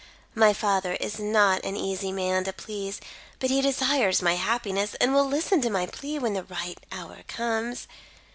My father is not an easy man to please, but he desires my happiness and will listen to my plea when the right hour comes.